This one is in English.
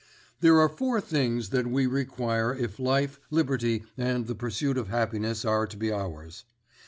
"There are four things that we require if life, liberty and the pursuit of happiness are to be ours.